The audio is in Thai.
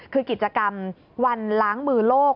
คือกิจกรรมวันล้างมือโลก